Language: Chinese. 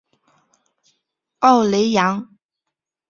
奥雷扬。